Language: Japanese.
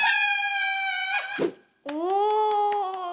お！